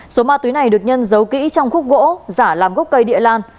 số ma túy này được nhân giấu kỹ trong khúc gỗ giả làm gốc cây địa lan